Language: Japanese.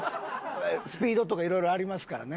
スピードとかいろいろありますからね。